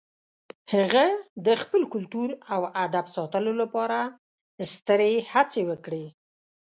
هغه د خپل کلتور او ادب ساتلو لپاره سترې هڅې وکړې.